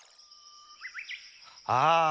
ああ！